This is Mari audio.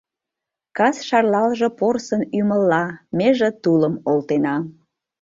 Кас шарлалже порсын ӱмылла, Меже тулым олтена.